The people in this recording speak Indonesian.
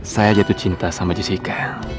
saya jatuh cinta sama jessica